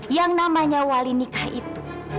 yang namanya wali nikah itu